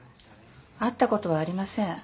会った事はありません。